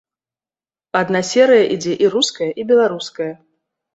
Адна серыя ідзе і руская, і беларуская.